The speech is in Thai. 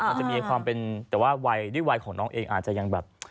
มันจะมีความเป็นแต่ว่าวัยด้วยวัยของน้องเองอาจจะยังแบบ